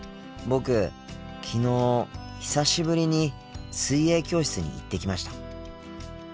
僕昨日久しぶりに水泳教室に行ってきました。